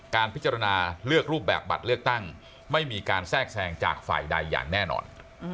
การพิจารณาเลือกรูปแบบบัตรเลือกตั้งไม่มีการแทรกแทรงจากฝ่ายใดอย่างแน่นอน